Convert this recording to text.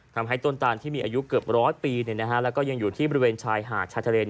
ทำให้ต้นตานที่มีอายุเกือบร้อยปีแล้วก็ยังอยู่ที่บริเวณชายหาดชายทะเลน